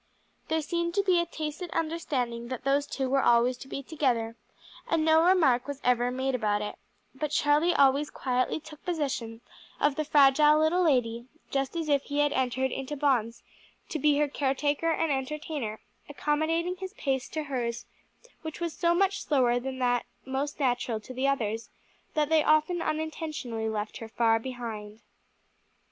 There seemed to be a tacit understanding that those two were always to be together and no remark was ever made about it, but Charlie always quietly took possession of the fragile little lady, just as if he had entered into bonds to be her care taker and entertainer, accommodating his pace to hers, which was so much slower than that most natural to the others that they often unintentionally left her far behind.